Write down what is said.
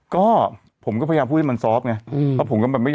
คือคือคือ